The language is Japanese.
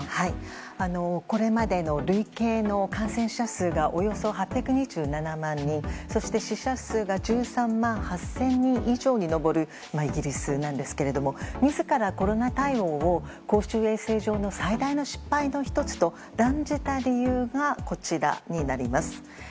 これまでの累計の感染者数が、およそ８２７万人そして死者数が１３万８０００人以上に上るイギリスなんですが自らコロナ対応を公衆衛生上の最大の失敗の１つと断じた理由がこちらになります。